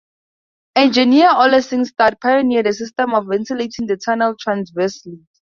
Engineer Ole Singstad pioneered a system of ventilating the tunnel transversely.